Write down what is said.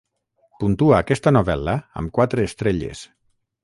puntua aquesta novel·la amb quatre estrelles